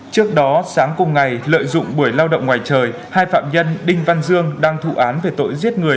trước đó sáng cùng ngày lợi dụng buổi lao động ngoài trời hai phạm nhân đinh văn dương đang thụ án về tội giết người